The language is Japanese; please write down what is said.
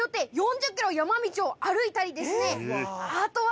あとは。